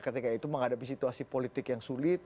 ketika itu menghadapi situasi politik yang sulit